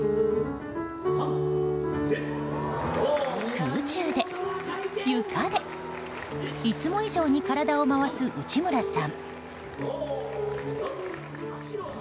空中で、ゆかでいつも以上に体を回す内村さん。